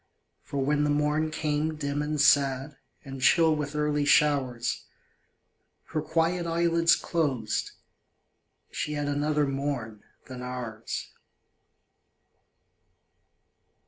For when the morn came dim and sad, And chill with early showers, Her quiet eyelids closed she had Another morn than ours.